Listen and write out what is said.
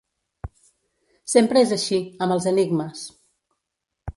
Sempre és així, amb els enigmes.